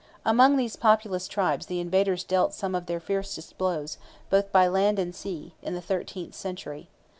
Among these populous tribes the invaders dealt some of their fiercest blows, both by land and sea, in the thirteenth century.